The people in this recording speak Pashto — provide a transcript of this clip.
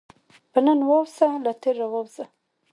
په نن واوسه، له تېر راووځه.